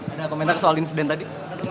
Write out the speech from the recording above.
ada komentar soal insiden tadi